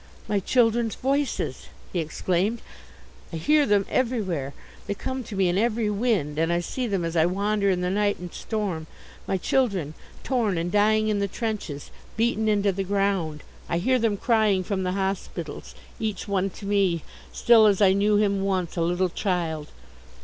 "My children's voices!" he exclaimed. "I hear them everywhere they come to me in every wind and I see them as I wander in the night and storm my children torn and dying in the trenches beaten into the ground I hear them crying from the hospitals each one to me, still as I knew him once, a little child.